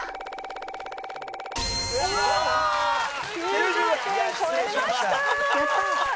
「９０点超えました！」